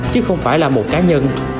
chứ không phải là một cá nhân